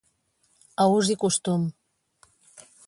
A ús i costum.